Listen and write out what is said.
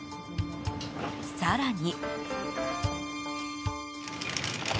更に。